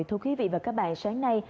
thưa quý vị và các bạn sáng nay